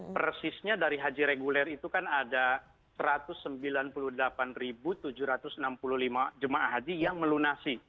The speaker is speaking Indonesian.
persisnya dari haji reguler itu kan ada satu ratus sembilan puluh delapan tujuh ratus enam puluh lima jemaah haji yang melunasi